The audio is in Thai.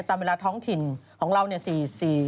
ตามเวลาท้องถิ่นของเราเนี่ย